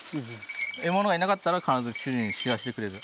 獲物がいなかったら必ず主人に知らせてくれる。